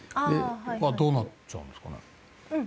どうなっちゃうんですかね？